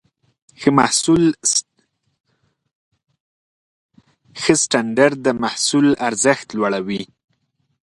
ښه سټنډرډ د محصول ارزښت لوړوي.